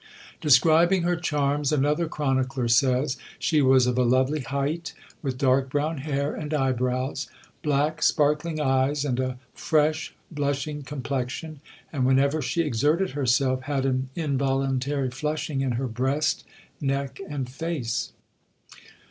Describing her charms, another chronicler says: "She was of a lovely height, with dark brown hair and eyebrows, black sparkling eyes, and a fresh blushing complexion; and, whenever she exerted herself, had an involuntary flushing in her breast, neck, and face."